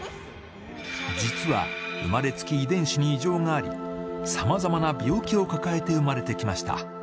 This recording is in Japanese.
実は生まれつき遺伝子に異常があり、さまざまな病気を抱えて生まれてきました。